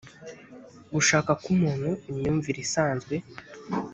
gushaka kumuntu imyumvire isanzwe